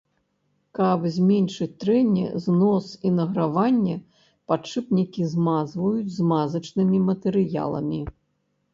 Каб зменшыць трэнне, знос і награванне падшыпнікі змазваюць змазачнымі матэрыяламі.